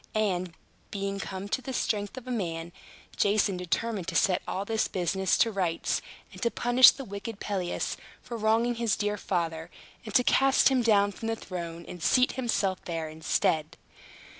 And, being come to the strength of a man, Jason determined to set all this business to rights, and to punish the wicked Pelias for wronging his dear father, and to cast him down from the throne, and seat himself there instead.